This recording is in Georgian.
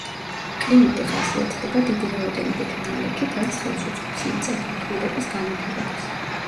კლიმატი ხასიათდება დიდი რაოდენობით ნალექით, რაც ხელს უწყობს მიწათმოქმედების განვითარებას.